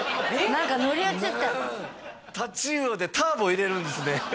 何か乗り移ったタチウオでターボ入れるんですね